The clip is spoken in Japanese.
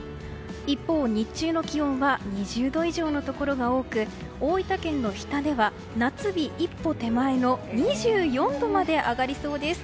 一方、日中の気温は２０度以上のところが多く大分県の日田では夏日一歩手間の２４度まで上がりそうです。